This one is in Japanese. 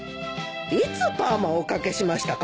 いつパーマをおかけしましたかしら？